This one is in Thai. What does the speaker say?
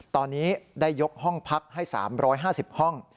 ตอนนี้ได้ยกห้องพักให้๓๕๐ห้อง